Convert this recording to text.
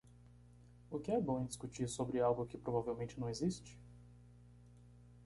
O que é bom em discutir sobre algo que provavelmente não existe?